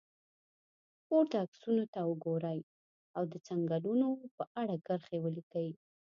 پورته عکسونو ته وګورئ او د څنګلونو په اړه کرښې ولیکئ.